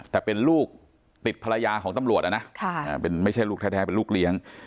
แต่เป็นลูกติดภรรยาของตำรวจนะไม่ใช่ลูกแท้เป็นลูกเลี้ยง